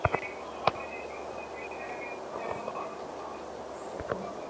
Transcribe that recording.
এ তো কোনোমতেই সহ্য করিবার নয়।